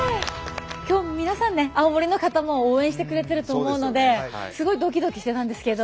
今日皆さんね青森の方も応援してくれてると思うのですごいドキドキしてたんですけど。